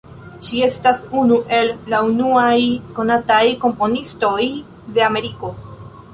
Ŝi estas unu el la unuaj konataj komponistoj de Ameriko.